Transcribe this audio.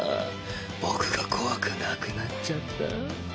僕が怖くなくなっちゃった？